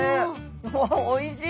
わおいしい。